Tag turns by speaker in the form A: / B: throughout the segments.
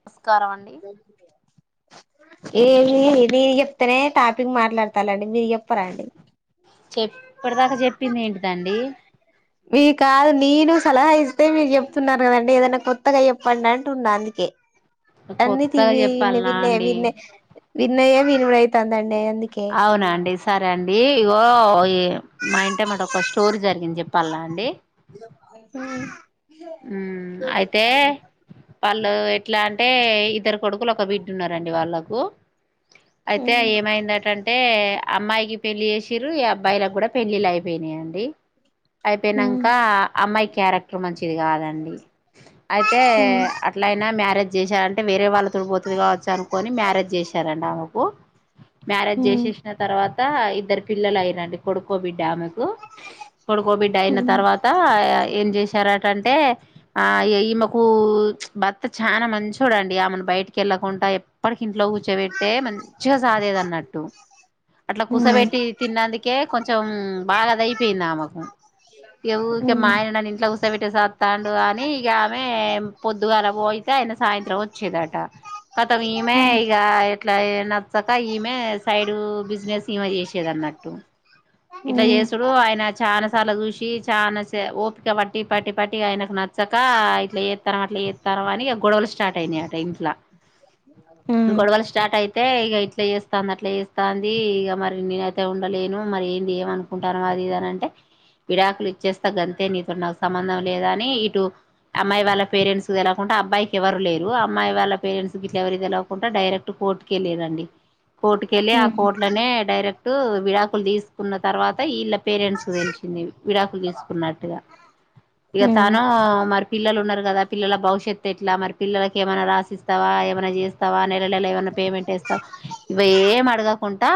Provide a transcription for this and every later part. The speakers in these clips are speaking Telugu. A: నమస్కారం అండి
B: [unintelligible] చెప్తేనే టాపిక్ మాట్లాడతారండి మీరు చెప్పరాండి
A: చెప్ ఇప్పటిదాకా చెప్పింది ఏంటండి
B: మీ కాదు నేను సలహా ఇస్తే మీరు చెప్తున్నారు. కదండి ఏదన్న కొత్తగా చెప్పండి అంటున్న అందుకే అన్నితి
A: కొత్తగా
B: విన్న
A: చెప్పాలనా
B: విన్నయే
A: అండి
B: విన్నయే విన్నయే [unintelligible] ఐతాందండి
A: అవునండి సరే అండి ఏ.. ఇగో ఈ మా ఇంటెమ్మట ఒక స్టోరీ జరిగింది. చెప్పాలనా అండి ఉమ్ అయితే వాళ్ళు ఎట్లా అంటే ఇద్దరు కొడుకులు ఒక బిడ్డ ఉన్నారండి వాళ్ళుక్ ఉ అయితే ఏమైంద ఏంటంటే అమ్మాయికి పెళ్ళి చేసిర్రు ఈ అబ్బాయిలకు గూడా పెళ్లిళ్లు అయిపోయినియండి. అయిపోయినాక అమ్మాయి క్యారెక్టర్ మంచిది కాదండి అయితే అట్లయినా మ్యారేజ్ చేశారంటే వేరే వాళ్ళ తోటి పోతది కావచ్చు అనుకొని మ్యారేజ్ చేశారండి ఆమెకు మ్యారేజ్ చేసేసిన తర్వాత ఇద్దరు పిల్లలు లాంటి కొడుకో బిడ్డ కొడుకో బిడ్డ అయిన తర్వాత ఏం చేశార అంటే ఆ ఈమెకు భర్త చాలా మంచోడండి ఆమెను బయటికి వెళ్ళకుండా ఎప్పటికింట్లో కూర్చోబెట్టే మంచిగా సాగేది కట్టు అట్లా కుసబెట్టి తిన్నందుకే కొంచెం బాగా అదయిపోయిందామకు ఇగ ఊకే మా
B: ఉమ్
A: ఆయన నన్ను ఇంట్లో కూసో పెట్టి సత్తాండు అని ఇక ఆమె పొద్దుగాల పోయితే ఆయన సాయంత్రం వచ్చేదట. ఖతం ఇమే ఇగ ఎట్లా ఐన ఈమె సైడు బిజినెస్ ఈమె చేసేది అన్నట్టు ఇట్లా చేసుడు ఆయన చాలా సార్లు చూసి చాన ఓపిక ప పట్టి పట్టి ఆయనకు నచ్చక ఇట్లా చేత్తన్నావ్ అట్లా చేత్తనవ్ అని గొడవలు స్టార్ట్ అయినాయి అట ఇంట్లా గొడవలు స్టార్ట్ అయితే ఇక ఇట్లా చేస్తాంది అట్లా చేస్తంది ఇ మరి నే అయితే ఉం డలేను మరేం ఏమ అనుకుంటారు అది ఇదని అంటే విడాకులు ఇచ్చేస్తా గంతే ఇప్పుడు నాకు సంబంధం లేదు అని ఇటు అమ్మాయి వాళ్ళ పేరెంట్స్ కు తెలవకుండా అబ్బాయికి ఎవరు లేరు అమ్మాయి వాళ్ళ పేరెంట్స్ ఇట్లా ఎవరి తెలియకుండా డైరెక్ట్ కోర్టుకి వెళ్ళిరండి కోర్టుక వెళ్ళి ఆ కోర్టులనే డైరెక్ట్ విడాకులు తీసుకు న్న తర్వాత ఇళ్ళ పేరెంట్స్ కు తెలిసింది విడాకులు తీసుకున్నట్టుగా ఇక తను మరి పిల్లలు ఉన్నారు కదా పిల్లల భవిష్యత్తు ఎట్లా మరి పిల్లలకు ఏమైనా రాసిస్త స్తావా ఏమనా చేస్తావా నెల నెలా ఏమైనా పేమెంట్ వేస్తావా ఇవేం అడగకుండా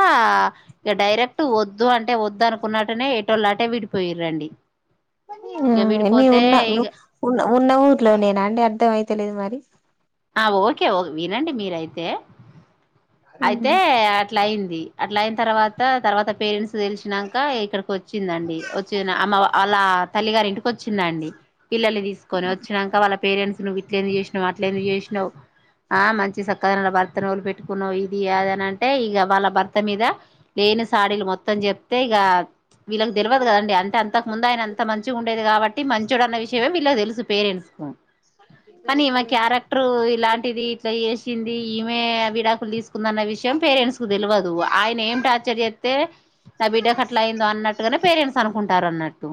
A: ఇక డైరెక్ట్ వద్ వద్దు అంటే వద్దు అనుకున్నట్టునే టోలుఅటే విడిపోయిరండి ఇక
B: మీ
A: విడిపోతే
B: ఉన్న
A: ఇక
B: ఉన్న ఉన్న ఊర్లో నేనా అండి అర్ధం అయితలేదు మరి
A: ఆ ఓకే వినండి మీరయితే అయితే అట్లా అయ్యింది అట్లా అయిన తర్వాత తర్వాత పేరెంట్స్ తెలిసినాక ఇక్కడికి వచ్చిందండి వచ్చి అమ్మ వాళ్ళ తల్లి గారి ఇంటికి వచ్చిందండి పిల్లల్ని తీసుకొనివచ్చిచ్చాక వాళ్ళ పేరెట్స్ ట్ల ఎందుకు చేసినావు అట్లేందుకు చేసి నావు ఆ మంచి చక్కగాన భర్త న పెట్టుకున్నావు ఇది అదన అంటే ఇక వాళ్ళ భర్త మీద లేని సాడీలు మొత్తం చెప్తే ఇక వీళ్ళకి తెలవదు కదండి అంతే అంతకు ముందు ఆయన అంత మంచిగా ఉండేది కాబట్టి మంచోడు అన్న విషయమే వీళ్లకు తెలుసు పేరెంట్స్ కు
B: ఇంకా [inaudible]
A: కానీ ఈమె
B: ఇస్తలేదు
A: క్యారెక్టర్ ఇలాంటిది ఇట్లా చేసింది ఈమె విడాకులు తీసు కుందన్న విషయం పేరెంట్స్ కు తెలవదు ఆయన ఏం టార్చర్ చేస్తే నా బిడ్డకు అట్లా అయిందో అన్నట్టుగానే పేరెంట్స్ అనుకుంటారు అన్నట్టు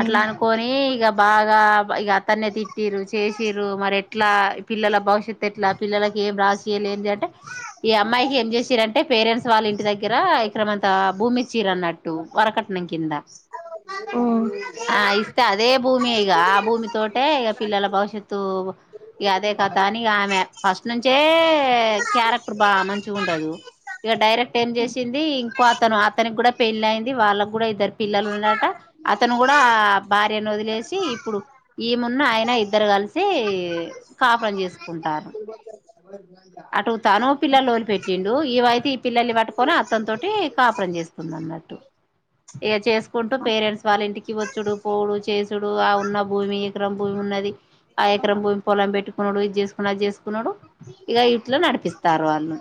A: అట్లా అనుకని ఇగ బాగా అతన్ని తిట్టిరు చేసిరు మరి పిల్లల భవిష్యత్తు ఎట్లా పిల్లకి ఏం రాసి ఇయ్యాలి ఏది అంటే ఈ అమ్మాయికి ఏం చేసిరంటే పేరెంట్స్ వాళ్ళ ఇంటి దగ్గర దగ్గర ఎకరామంతా భూమి ఇచ్చిరు అన్నట్టు వరకట్నం కింద ఆ ఇస్తే అదే భూమి ఇక ఆ భూమి తోటే ఇక పిల్లల భవిష్యత్తు ఈగ అదే కథ అని ఆమె ఫస్ట్ నుంచే క్యారెక్టర్ బాగా మంచి గా ఉండదు ఇక డైరెక్ట్ ఏం చేసింది ఇంకో అతను అతనికి కూడా పెళ్ళి అయింది వాళ్ళకు కూడా ఇద్దరు పిల్లలు ఉన్నారట అతను కూడా బా ని వదిలేసి ఇప్పుడు ఈ మున్నా ఆయన ఇద్దరు కలిసి కాపురం చేసు ఉంటారు
B: [inaudible]
A: పిల్లలు వొదిలి పెట్టిండు ఇమే అయితే ఈ పిల్లలను పట్టుకొని అత్తని తటి కాపురం చేస్తుంది అన్నట్టు ఇక చేసుకుంటూ పేరెంట్స్ వాళ్ళ ఇంటికి వచ్చుడు పోడు చేసుడు ఆ ఉన్న భూమి ఎకరం భూమి ఉన్నది ఆ ఎకరం భూమి పొలాం పెట్టుకున్నాడు ఇది చేసుకున్నా అది చేసుకున్నాడు ఇక ఇట్లా నడిపిస్తారు వాళ్ళు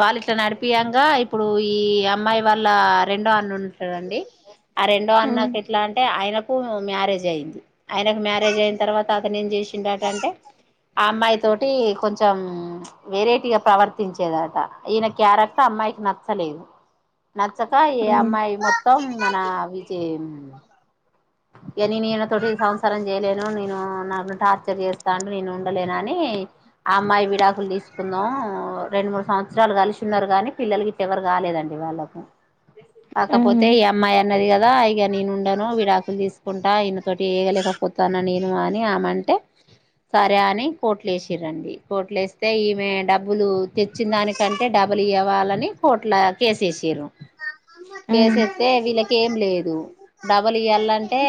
A: వాళ్ళ ఇట్లా నడిపియంగా ఇప్పుడు ఈ అమ్మాయి వాళ్ళ రెండో అన్న ఉంటడండి ఆ రెండో అన్నకు ఎట్లా అంటే ఆయనకు మ్యారేజ్ అయింది ఆయనకు మ్యారేజ్ అయిన తర్వాత అతను ఏం చేసి వచ్చిందట అంటే ఆ అమ్మాయి తోటి కొంచం వెరైటీగా ప్రవర్తించేదట ఈయన క్యారెక్టర్ అమ్మాయికి నచ్చలేదు నచ్చక ఈ అమ్మాయి మొత్తం మన విజ ఇగా నేను ఈయన తోటి సంసారం చేయలేను నేను నాన్న టార్చర్ చేస్తా అంటూ నేను ఉండలేను అని అని ఆ అమ్మాయి విడాకులు తీసుకుందాం రెండు మూడు సంవత్సరాలు కలిసి ఉన్నారు కానీ పిల్లలు గిట్ల ఎవరు కాలేదండి వాళ్ళలకు కాకపోతే ఈ అమ్మాయి అన్నది కదా ఇక నేను ఉండను వీడ లు తీసుకుంటా ఈయన తోటి వేగలేకపోతాను నేను అని ఆమెంటే సరే అని కోట్లే వేసిరండి కోట్లే వస్తే ఈమె డబ్బులు తెచ్చిన దానికంటే డబల్ ఇ ఇవాలని కోట్ల కేసే ఏసిరు కేసేత్తే వీళ్ళకి ఏం లేదు డబల్ ఇయలాంట్ అంటే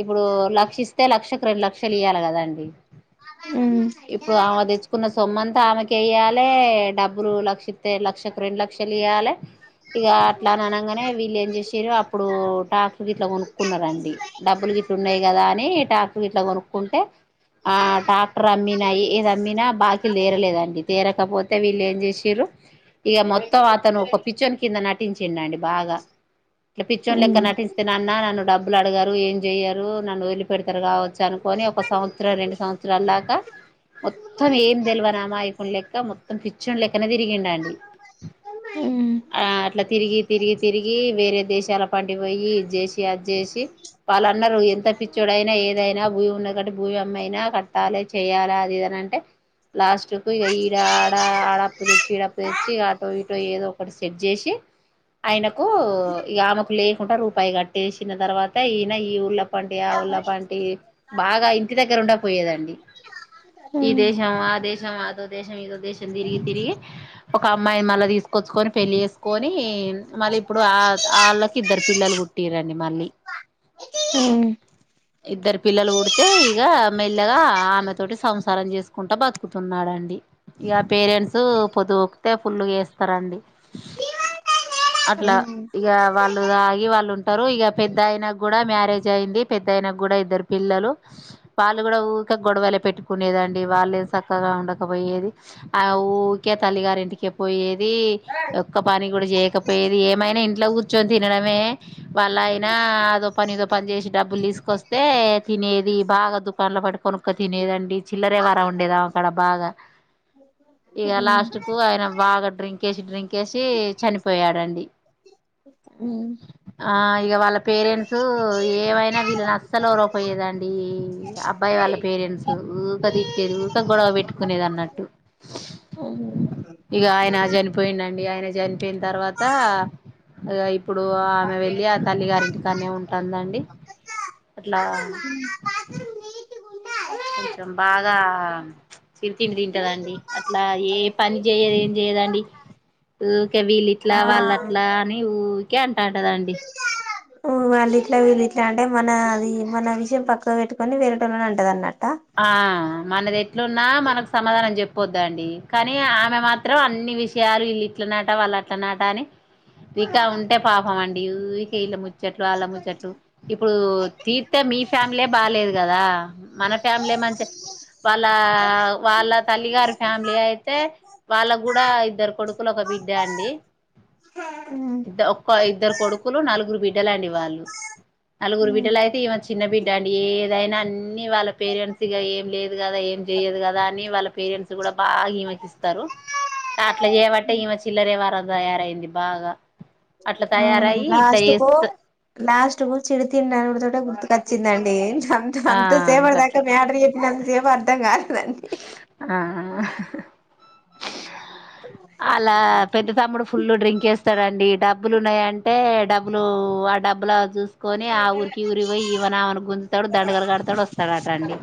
A: ఇప్పుడు లక్ష ఇస్తే లక్షకు రెండు లక్షలు ఇయాల గదండి. ఇప్పుడు ఆమె దేచ్చుకున్న సొమ్మం త ఆమెకే ఇయ్యాలే డబ్బులు లక్ష త్ తే లక్షకు రెండు లక్షలియలే ఇగ అట్లాని అనగానే వీళ్ళు ఏం జెషిరు అప్పుడు టాకుగిట్లా గోనుక్ రండి డబ్బులు గిట్లున్నాయి గదా అని, టాకు గిట్లా గోనుక్కుంటే. ఆ టా్రాక్టర్ అమ్మినా, ఏది అమ్మినా, బాకిలు తీరలేదండి. తేరకపోతే, వీళ్ళు ఏం జెస్సిరు, ఇగ మొత్తం అతను ఒక పిచ్చొన్ కింద నటించిండండి. బాగా ఇట్లా, పిచ్చోన్ లెక్క నటించిస్తే, నన్న నన్ను డబ్బులు అడగరు, ఏం జెయ్యరు. నన్ను వదిలి పెడతారు గావచ్చు అనుకొని, ఒక సంవత్సరం రెండు సంవత్సరాల దక మొత్తం ఏం తెల్వనీ అమాయక్ లెక్క మొత్తం పిచ్చులెక్కన తిరిగిండండి ఆ అట్లా తిరిగి తిరిగి తిరిగి వేరే దేశాల పంటిపోయి జోషి అద్ జేషీ వాళ్ళన్నారు ఎంత పిచ్చుడైనా ఏదైనా భూమి ఉన్న కట్ట భూమి అమ్మయినా కట్టాలే చేయాల అదిదనంటే లాస్ట్ కు ఇగ ఈడ ఆడ ఆడప్పుదెచ్చి ఈడప్పుదెచ్చి ఇగ ఆటో ఈటో ఏదో ఒకటి స్ సెట్ జేషి ఆయనకు ఇగ ఆమెకు లేకుండా రూపాయి కట్టేసి చ్చిన తర్వాత ఈన ఈ ఊర్ల పంటి ఆ ఉళ్ళ పంటి బాగా ఇంటి దగ్గర ఉండ పోయేదండి. ఈ దేశం ఆ దేశం ఆదొద్ దేశ మీదు దేశం తిరిగి తిరిగి ఒక అమ్మాయిని మళ్ళ తీసుకొచ్చుకని పెళ్ళి ఏసుకొని మళ్ళీ ఇప్పుడు అల్ ఆళ్ళకి ఇద్దరు పిల్లలు పుట్టిర ని
B: ఉ
A: ఇద్దరు పిల్లలు పుడితే ఇగ మెల్లగా ఆమె తోటి సంసారం జేస్ కుంట బతుకుతున్నాడండి ఇగ పేరెంట్స్ పొదుప్ తే ఫుల్లుగేస్తారండి అట్లా ఇగ వాళ్ళు తాగి వాళ్ళు ఉంట్ టరు ఇగ పెద్ద ఆయన గుడా మ్యారేజ్ అయింది పెద్దయన గూడా ఇద్దరు పిల్లలు వాళ్ళు గుడా ఊరిక గొడవలే పెట్టుకునేదండి. వెళ్ళే సక్కగా ఉండకపోయేది, ఆ ఊకే తల్లిగారింటికి కే పోయేద్ ది ఒక్క పని కూడా చేయకప్ ఏమైనా ఇంట్లో కూర్చొన్ తినడ్ డమే వాలైనా అదో పని ఏదో పని జేషి డబ్బులు తీసుకొస్తే తినేది బాగా దుకన్లో పడుక్ క్క తినేదండి చిల్లర యవ్వారం ఉండేది ఆమెకడా బాగా ఇక లాస్ట్ కు ఆయన బాగా డ్రింక్ వేసి డ్రింక్ వేసి చనిపో రండి ఆ ఇక వాళ్ళ పేరెంట్స్ ఏమైనా వీళ్ళ న అసలు ఒక్కరూపాయి ఆ ఇంకా ఇవ్వదండి అబ్బాయి వాళ్ళ పేరెంట్స్ ఊకే తిట్టేది ఊకె గొడవ పెట్టుకునేది అన్నట్టు ఇక ఆయన చనిపోయిండు అండి ఆయన చనిపోయింది తర్వాత ఇప్పుడు ఆమె వెళ్ళి ఆ తల్లి గారింటికానే ఉంటుందండి అట్లా కొంచెం బాగా చిరితిండి తింటదండి అట్లా ఏ పని చేయదు ఏం చెయ్యదండి ఉరికే వీళ్ళిట్లా
B: ఆ
A: వాళ్ళ అట్లా అని క్యాన్ అంటదండి
B: వాళ్ళ ఇట్లా వీళ్ళు ఇట్లా అంటే మన అది మన విషయం పక్క పెట్టుకొని వేరేటోళ్ళనే అంటది అన్నట్టు
A: ఆ మనది ఎట్లున్నా మనకు సమాధానం చెప్ పోద్దండి కానీ ఆమె మాత్రం అన్ని విషయాలు వీళ్లు ఇట్లన్నట వాళ్ళ అట్లన్నట అని ఇక ఉంటే పాపం అండి ఇక వీళ్ళ ముచ్చట్లు ఆళ్ల ముచ్చట్లు ఇప్పుడు తీర్తే మీ ఫ్యామిలీ బాలేదు కదా మన ఫ్యామిలీ మంచి వాళ్ళ వాళ్ళ తల్లిగారి ఫ్యామిలీ అయితే వాళ్ళ కూడా వలగూడ ఇద్దరు కొడుకులు ఒక బిడ్డ అండి ఒక ఇద్దరు కొడుకులు నలుగురు బిడ్డలు అండి వాళ్ళు నలుగురు బిడ్డలు అయితే ఈమే చిన్న బిడ్డ అండి ఏదైనా అన్ని వాళ్ళ పేరెంట్స్ ఇగ ఏం లేదు కదా ఏం చెయ్యదు కదా అని వాళ్ళ పేరెంట్స్ కూడా బాగా ఈమకిస్త స్తారు అట్లా చేబట్టే ఈమె చిల్లరే యవారలు తయారైంది బాగా అట్లా
B: అవును
A: తయారయ్యి ఇట్లా
B: లాస్ట్ కు
A: చేస్త
B: లాస్ట్ కు చిరు తిండి అడుగుడు తోటే గుర్తుకొచ్చిందండి అన్త్
A: ఆ
B: అంత సేపాటి దాకా
A: గట్లా
B: మ్యాటర్ చెప్పినంత సేపు అర్ధం కాలే అడి
A: ఆ హ హ వాళ్ల పెద్ద తమ్ముడు ఫుల్లు డ్రింక్ వేస్తాడండి డబ్బులు ఉన్నాయాన్ ఏ డబ్బులు ఆ డబ్బుల చూస్తే కొని ఆ ఊరికి ఈ ఊరికి పోయి ఈమే ను ఆమె ను గుంజతాడు దండగలు కడతాడు వస్తాడుటండి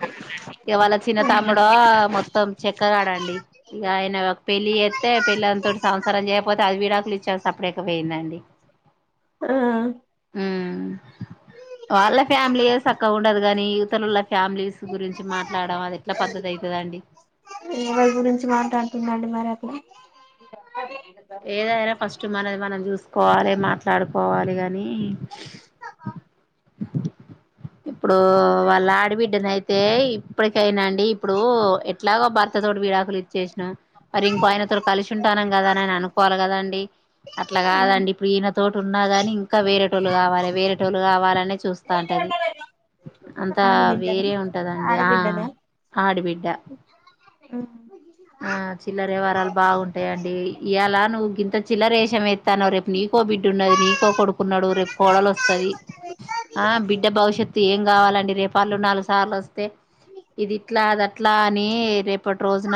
A: వాళ చిన్న త అ మొత్తం చెక్కగాడండి ఇక ఆయన పెళ్లి చేతే పెళ్ళాం తోటి సంసారం చేయకపోతే అది విడాకులు ఇచ్చి సపరేటు పోయిందండి డి
B: ఆ
A: ఉ వాళ్ళ ఫ్యామిలీయే సక్క గా ఉండదు కాని ఇవ్వుతాలోళ్ల ఫ్యామిలీస్ గురించి మాట్లాడడం అది ఎట్లా పద్ధతి అయితదండి
B: ఎవరి గురించి మాట్లాడుతుందండి మరి అది అది
A: ఏదైనా ఫస్ట్ మనది మనం చూసుకోవాలి మాట్లాడుకోవాలి కానీ ఇప్పుడు వాళ్ళ ఆడబిడ్డనయితే ఇప్పటికైనా అండి ఇప్పుడు ఎట్లాగో భర్త తోటి విడాకులు ఇచ్చేసినం మరి ఇంకో ఆయనతో కలిసి ఉంటానం కదా అని అయన అనుకోవాలి కదాండి అట్లా కాదండి ఇప్పుడు ఈయన తోటి ఉన్నా గాని ఇంకా వేరేటోళ్ళు కావాలి వేరేటోళ్లు కావాలనే చూస్తా ఉంటది అంతా
B: ఆడబిడ్డనా
A: వేరే ఉంటదండి ఆ
B: ఆడబిడ్డనా
A: ఆడిబిడ్డ
B: ఉ
A: చిల్లర వ్యవహారాలు బాగుంటయండి ఇయల నువ్వు గింత చిల్లరేషం ఎత్తన్నావ్ రేపు నీ కో బిడ్డ ఉన్నది నీకో కొడుకున్నాడు రేపు కోడలు వస్తది ఆ బిడ్డ భవిష్యత్తు ఏం కావాలండి రేపు వాళ్ళు నాలుగు సార్లు వస్తే ఇది ఇట్లా అది అట్లా అని రేపటి రోజు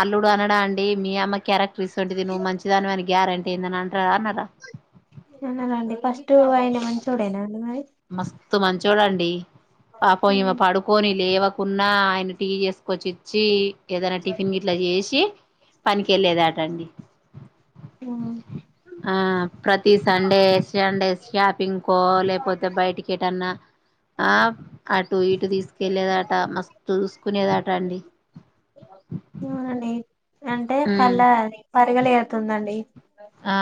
A: అల్లుడు అనడా అండి మీ అమ్మ క్యారెక్టర్ గిసొంటిది నువ్వు మంచిదాని వని గ్యారెంటీ ఏందని అంటాడా అనరా
B: అవునండి ఫస్ట్ ఆయన మంచోడేనా [unintelligible]
A: స్త్ మంచోడండి పాపం ఇమే పడుకోని లేవ కున్నా ఆయన టీ చేసుకొచ్చి ఇచ్చి ఏదైనా టిఫిన్ గిట్ల చేసి పనికెళ్ళేదట అండి
B: ఉమ్,
A: ఆ ప్రతి సండే శాండే శ్యాపింగ్ కో టికి ఎటన్నా ఆ అటు ఇటు తీసుకెళ్లేదట మస్తు చూసుకునేదాట అండి
B: అవునండి
A: ఉమ్మ్
B: పరిగలేతుందండీ
A: ఆ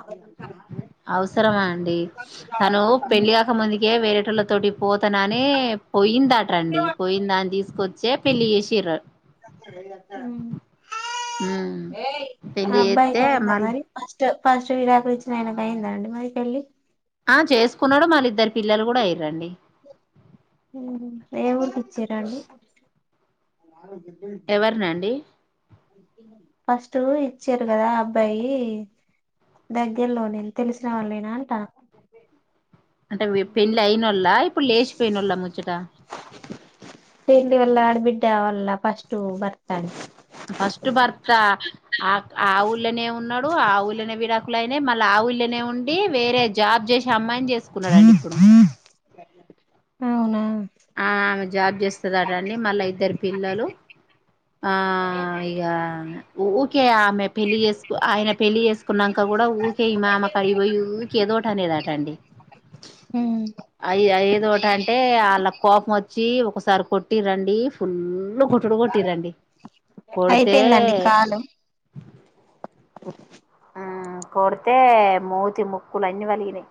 B: అవును
A: అవసరమా అండి తను పెళ్ళిగాక ముందుకే వేరే వాళ్ళ తోటి పోతనని పోయిందట అండి పొయ్యిందాని తీసుకొచ్చే పెళ్లి చేసిన్రు
B: ఉమ్,
A: హుమ్మ్ పెళ్లి చేస్తే మళ్ళీ
B: ట్ ఫస్ట్ విడాకులు ఇచ్చిన ఆయనకు అయిందా అండి మరి పెళ్ళి
A: ఆ చేస్ కునడు మళ్ళీ ఇద్దరు పిల్లలు కూడా అయ్యింరండీ
B: ఉమ్, ఏ ఊరికి ఇచ్చిరండి [unintelligible]
A: ఎవరినండి
B: ఫస్ట్ ఇచ్చార్ కదా ఆ అబ్బాయి దగ్గర్లోనేనా తెలిసిన వాళ్లేనా అంట
A: అంటే వే పెళ్లి అయినోళ్ళ ఇప్పుడు లేచిపోయినోళ్ల ముచ్చట
B: [unintelligible] వాళ్ళ ఆడబిడ్డ వాళ్ళ ఫస్ట్ భర్త
A: ఫస్ట్ భర్త ఆ ఆ ఊళ్ళనే ఉన్నాడు ఆ ఊళ్ళనే విడాకులు లై నే మళ్ళా ఆ ఊళ్ళనే ఉండి వేరే జాబ్ జేసే అమ్మాయినీ చేసుకున్నాడండిఇప్పుడు
B: అవునా
A: ఆ ఆమె జాబ్ చేస్తదట అండి మళ్ళా ఇద్దరు పిల్లలు ఆ ఇగ ఊకే ఆమె పెళ్ళి చేసుకు ఆయన పెళ్ళిచేసుకున్నాంకా కూడా ఊకే ఈమె ఆమె కాడికి పొయ్యి ఉకె ఏదో ఒకటి అనేదట అండి అయి అయ్యి ఏదో ఒకటి అంటే ఆళ్ల కోపం వచ్చి ఒకసారి కొట్టి రండి ఫుల్ ఫుల్ కొట్డుడు కొట్టిన్రండీ కొడితే
B: అయిపోయిందండి కాలు
A: ఆ
B: [inaudible]
A: కొడితే మూతి ముక్కలన్నీ పలిగినై